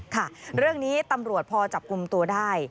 ค่ะเรื่องนี้ตำรวจพอจับกลุ่มตัวได้